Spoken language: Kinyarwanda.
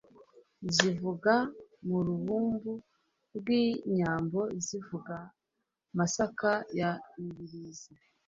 Zivuga mu Rubumba rw' inyamboZivuga Masaka ya Mibirizi